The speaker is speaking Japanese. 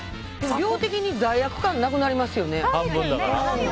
量的に罪悪感なくなりますよね。